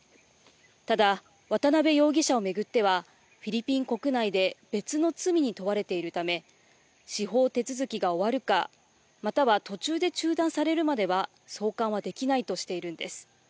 ただ、渡邉容疑者を巡っては、フィリピン国内で別の罪に問われているため、司法手続きが終わるか、または途中で中断されるまでは、送還はできないとしているんです。